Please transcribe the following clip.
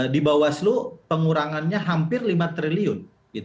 di bawaslu pengurangannya hampir lima triliun